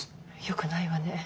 よくないわね。